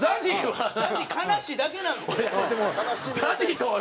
ＺＡＺＹ悲しいだけなんですよ。